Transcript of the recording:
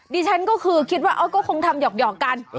นี่ฉันก็คือคิดว่าเอาคงทำหยอกเหยอกกัน